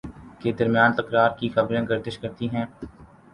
کے درمیان تکرار کی خبریں گردش کرتی ہیں